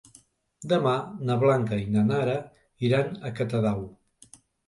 Demà na Blanca i na Nara iran a Catadau.